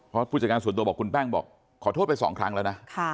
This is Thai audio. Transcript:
เพราะผู้จัดการส่วนตัวบอกคุณแป้งบอกขอโทษไปสองครั้งแล้วนะ